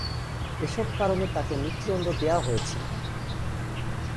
এসব কারণে তাকে মৃত্যুদন্ড দেয়া হয়েছিল।